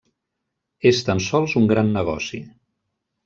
És tan sols un gran negoci.